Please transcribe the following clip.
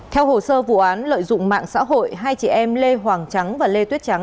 theo hồ sơ vụ án lợi dụng mạng xã hội hai chị em lê hoàng trắng và lê tuyết trắng